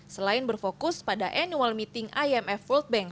selain berfokus pada annual meeting imf world bank